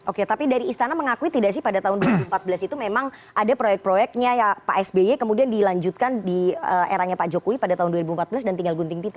oke tapi dari istana mengakui tidak sih pada tahun dua ribu empat belas itu memang ada proyek proyeknya pak sby kemudian dilanjutkan di eranya pak jokowi pada tahun dua ribu empat belas dan tinggal gunting pita